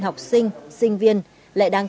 học sinh sinh viên lại đang